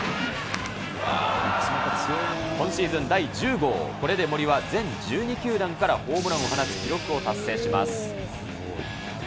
今シーズン第１０号、これで森は全１２球団からホームランを放つ記録を達成します。